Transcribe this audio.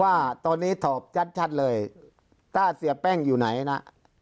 ว่าตอนนี้ตอบชัดเลยถ้าเสียแป้งอยู่ไหนนะ